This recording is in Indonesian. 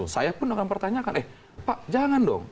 saya pun akan pertanyakan eh pak jangan dong